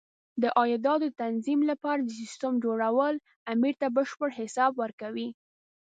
د عایداتو د تنظیم لپاره د سیسټم جوړول امیر ته بشپړ حساب ورکوي.